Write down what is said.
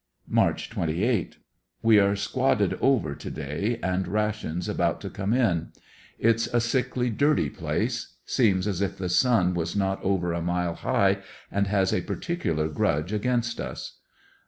March 28. —We are squadded over to day, a::d rations about to come in. It's a sickly dirty place. Seems as if the sun was not over a mile high, and has a particular grudge a^iainst us.